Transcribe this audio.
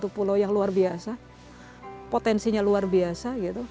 satu pulau yang luar biasa potensinya luar biasa